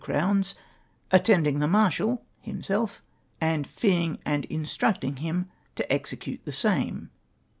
.200 Attending the Marshal! (himself) and feeing and instructing him to execute the same!